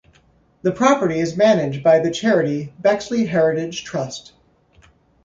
The property is managed by the charity Bexley Heritage Trust.